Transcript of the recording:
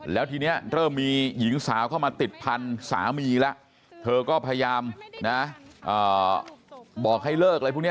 แล้วทีนี้เริ่มมีหญิงสาวเข้ามาติดพันธุ์สามีแล้วเธอก็พยายามนะบอกให้เลิกอะไรพวกนี้